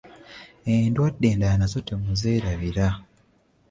Endwadde endala nazo temuzeerabira.